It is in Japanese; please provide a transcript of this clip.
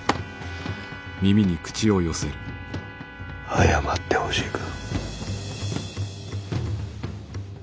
謝ってほしいか？